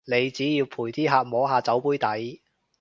你只要陪啲客摸下酒杯底